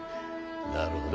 なるほど。